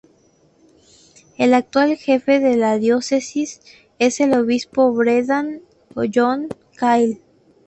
El actual jefe de la Diócesis es el Obispo Brendan John Cahill.